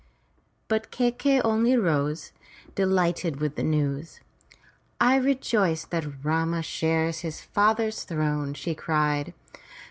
But Kai key'i only rose, delighted with the news. "I rejoice that Rama shares his father's throne!" she cried.